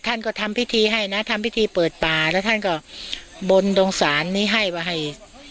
ท่านก็ทำพิธีให้นะทำพิธีเปิดป่าแล้วท่านก็บนตรงศาลนี้ให้ว่าให้